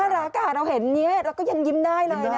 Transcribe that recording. น่ารักกะเราเห็นนี้เราก็ยังยิ้มได้เลยนะฮะ